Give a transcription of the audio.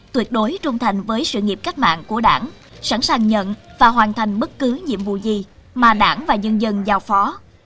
tuyệt đối trung thành với sự nghiệp cách mạng của đảng sẵn sàng nhận và hoàn thành bất cứ nhiệm vụ gì mà đảng và nhân dân giao phó